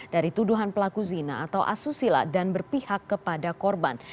dari tuduhan pelaku zina atau asusila dan berpihak kepada korban